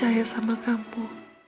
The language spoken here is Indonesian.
patung karakter mana yang activo